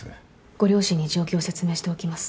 ご両親に状況を説明しておきます。